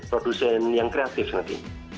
produsen yang kreatif nanti